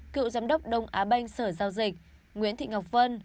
cựu giám đốc đông á banh sở giao dịch nguyễn thị ngọc vân